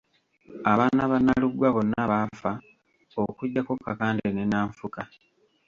Abaana ba Nalugwa bonna baafa okuggyako Kakande ne Nanfuka.